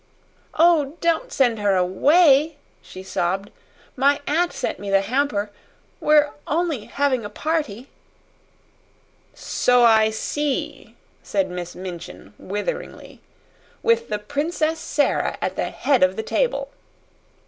"Oh, don't send her away," she sobbed. "My aunt sent me the hamper. We're only having a party." "So I see," said Miss Minchin, witheringly. "With the Princess Sara at the head of the table."